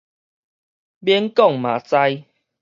免講嘛知